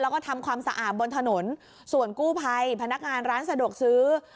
แล้วก็ทำความสะอาดบนถนนส่วนกู้ภัยพนักงานร้านสะดวกซื้อ